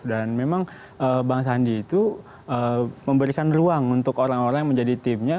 dan memang bang sandi itu memberikan ruang untuk orang orang yang menjadi timnya